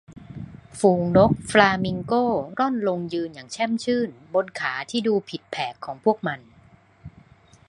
ฝูงนกฟลามิงโก้ร่อนลงยืนอย่างแช่มชื่นบนขาที่ดูผิดแผกของพวกมัน